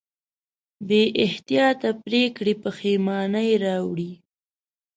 بېاحتیاطه پرېکړې پښېمانۍ راوړي.